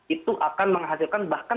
itu akan menghasilkan bahkan